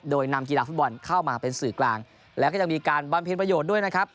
โดยนำกีฬาฟุตบอลเข้ามาเป็นสื่อกลางแล้วก็ยังมีการบำเพ็ญประโยชน์ด้วยนะครับ